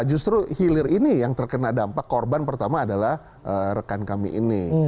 justru hilir ini yang terkena dampak korban pertama adalah rekan kami ini